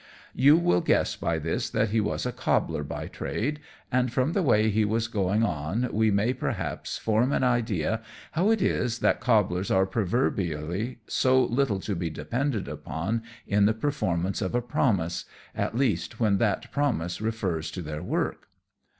You will guess by this that he was a cobbler by trade, and from the way he was going on we may, perhaps, form an idea how it is that cobblers are proverbially so little to be depended upon in the performance of a promise at least, when that promise refers to their work.